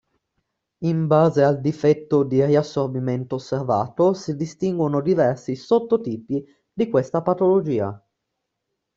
In base al difetto di riassorbimento osservato si distinguono diversi sottotipi di questa patologia.